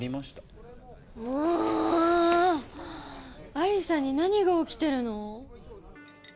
亜里沙に何が起きてるの！？